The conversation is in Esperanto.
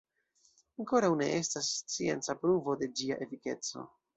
Ankoraŭ ne estas scienca pruvo de ĝia efikeco.